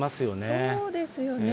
そうですよね。